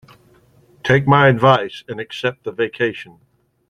Take my advice and accept the vacation.